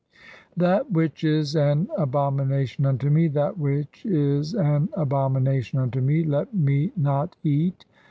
1 That which is an abomination unto me, that "which is an abomination unto me, let me not eat.